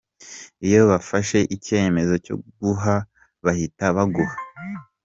Iyo bafashe icyemezo cyo kuguha, bahita baguha".